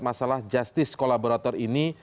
masalah justice kolaborator ini